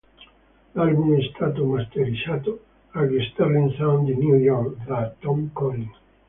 L'album è stato masterizzato agli Sterling Sound di New York da Tom Coyne.